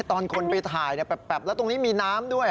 ตอนคนไปถ่ายแป๊บแล้วตรงนี้มีน้ำด้วย